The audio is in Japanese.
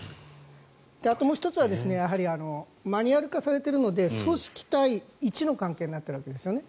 あともう１つは、やはりマニュアル化されているので組織対１の関係になっているわけです。